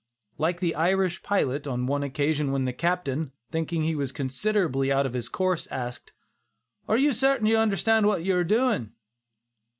Like the Irish pilot, on one occasion when the captain, thinking he was considerably out of his course, asked, "Are you certain you understand what you are doing?"